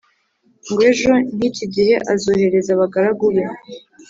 ngo ejo nk iki gihe azohereza abagaragu be